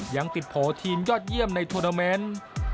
ยังติดโผล่ทีมยอดเยี่ยมในทัวร์เทอร์เมนต์